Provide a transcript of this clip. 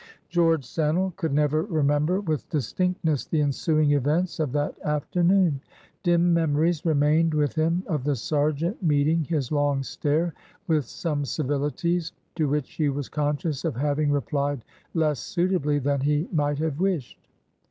George Sannel could never remember with distinctness the ensuing events of that afternoon. Dim memories remained with him of the sergeant meeting his long stare with some civilities, to which he was conscious of having replied less suitably than he might have wished.